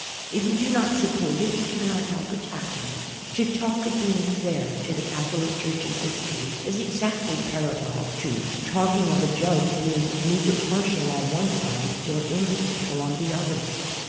If you do not support it you cannot help attacking it. To talk of being "fair" to the Catholic Church in history is exactly parallel to talking of a judge being "neither par tial on one side nor impartial on the other."